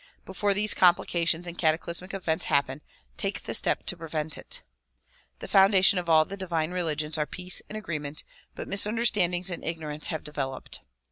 Before these complications and cataclysmic events happen, take the step to prevent it. The foundations of all the divine religions are peace and agree ment, but misunderstandings and ignorance have developed.